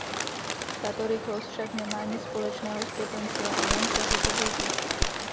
Tato rychlost však nemá nic společného s potenciálem tohoto vozu.